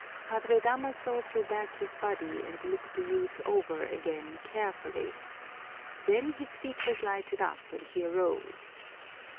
Padre Damaso threw back his body and looked the youth over again carefully. Then his features lighted up and he arose.